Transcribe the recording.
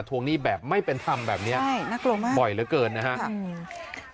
ทวงหนี้แบบไม่เป็นธรรมแบบนี้บ่อยเหลือเกินนะครับ